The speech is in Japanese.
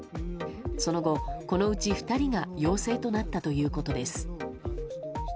その後、このうち２人が陽性となったということです。